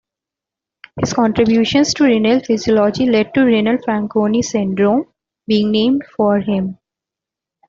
His contributions to renal physiology led to renal Fanconi syndrome being named for him.